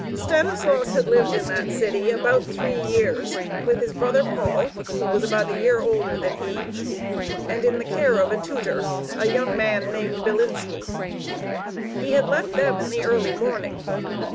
Stanislaus had lived in that city about three years with his brother Paul, who was about a year older than he, and in the care of a tutor, a young man named Bilinski. He had left them in the early morning.